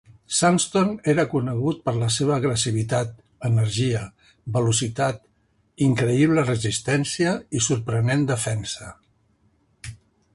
Sanston era conegut per la seva agressivitat, energia, velocitat, increïble resistència i sorprenent defensa.